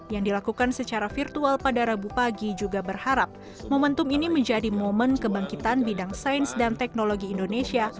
yang dilakukan secara virtual pada rabu pagi juga berharap momentum ini menjadi momen kebangkitan bidang sains dan teknologi indonesia